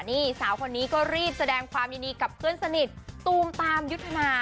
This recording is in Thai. นี่สาวคนนี้ก็รีบแสดงความยินดีกับเพื่อนสนิทตูมตามยุทธนา